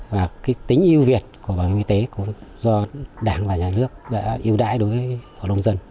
và tính yêu việt của bảo hiểm y tế do đảng và nhà nước yêu đại đối với hội lông dân